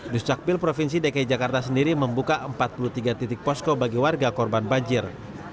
duscakpil provinsi dki jakarta sendiri membuka empat puluh tiga titik posko bagi warga korban banjir